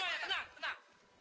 teman semua ya tenang